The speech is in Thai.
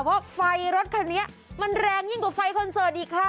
เพราะไฟรถคันนี้มันแรงยิ่งกว่าไฟคอนเสิร์ตอีกค่ะ